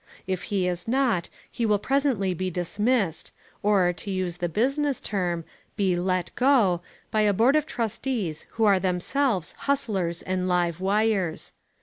If he is not, he will presently be dismissed, or, to use the business term, be "let go," by a board of trustees who are themselves hustlers and live wires.